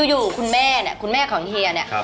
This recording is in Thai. อยู่คุณแม่ของเฮีย